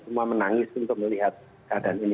semua menangis untuk melihat keadaan ini